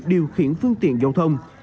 điều khiển phương tiện giao thông